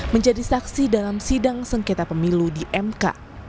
menjadi saksi dalam sidang sengketa pemilu di mk